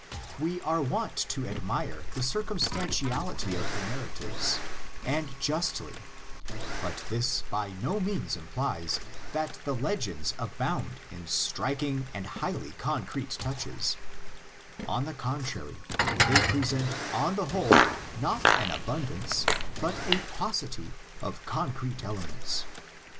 We are wont to admire the circumstantiality of the narratives, and justly, but this by no means implies that the legends abound in striking and highly concrete touches; on the contrary, they present on the whole not an abundance, but a paucity, of concrete ele ments.